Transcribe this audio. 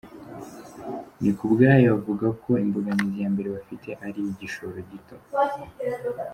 Nikubwayo avuga ko imbogamizi ya mbere bafite ari iy’igishoro gito.